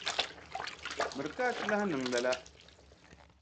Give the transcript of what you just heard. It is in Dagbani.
Miri ka a ti lahi niŋ lala.